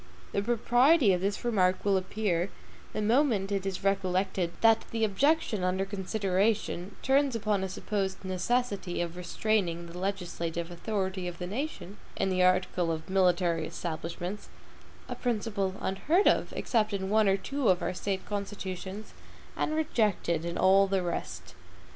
The proprietary of this remark will appear, the moment it is recollected that the objection under consideration turns upon a supposed necessity of restraining the LEGISLATIVE authority of the nation, in the article of military establishments; a principle unheard of, except in one or two of our State constitutions, and rejected in all the rest.